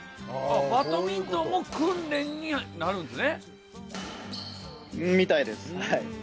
バドミントンも訓練になるんみたいです。